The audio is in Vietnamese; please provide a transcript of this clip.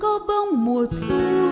có bóng mùa thu